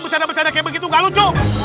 bercanda bercanda kayak begitu nggak lucu